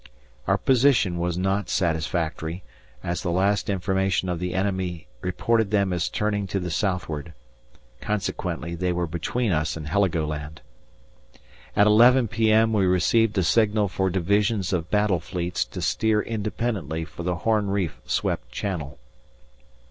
Our position was not satisfactory, as the last information of the enemy reported them as turning to the southward; consequently they were between us and Heligoland. At 11 p.m. we received a signal for divisions of battle fleets to steer independently for the Horn Reef swept channel.